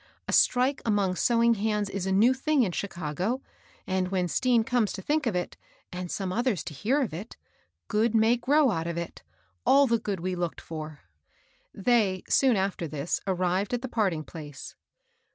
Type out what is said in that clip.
A strike among sewing hands is a new thing in Chicago ; and when Stean comes to think of it, and some others to hear of it, good may grow out of it, — all the good we looked for." They, soon after this, arrived at the parting place.